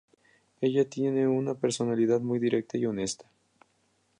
Ella tiene una personalidad muy directa y honesta.